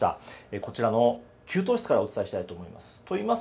こちらの給湯室からお伝えしたいと思います。